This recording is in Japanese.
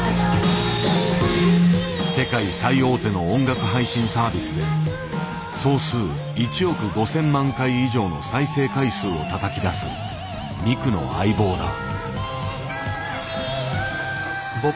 世界最大手の音楽配信サービスで総数１億５，０００万回以上の再生回数をたたき出すミクの相棒だ。